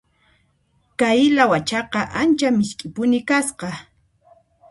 Kay lawachaqa ancha misk'ipuni kasqa.